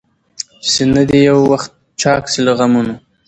چي سينه دي يو وخت چاك سي له غمونو؟